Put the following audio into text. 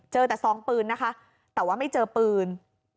เจอแต่ซองปืนนะคะแต่ว่าไม่เจอปืน